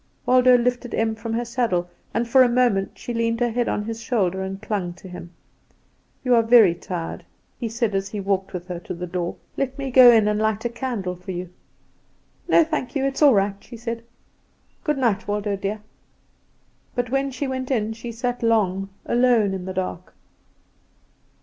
Waldo lifted Em from her saddle, and for a moment she leaned her head on his shoulder and clung to him. "You are very tired," he said, as he walked with her to the door; "let me go in and light a candle for you." "No, thank you; it is all right," she said. "Good night, Waldo, dear." But when she went in she sat long alone in the dark.